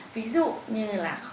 ví dụ như là